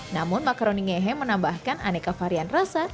namun makaroni ngehe menambahkan aneka varian rasa